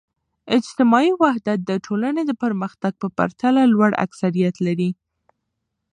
اجتماعي وحدت د ټولنې د پرمختګ په پرتله لوړ اکثریت لري.